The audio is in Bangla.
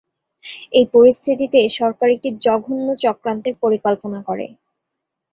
এই পরিস্থিতিতে সরকার একটি জঘন্য চক্রান্তের পরিকল্পনা করে।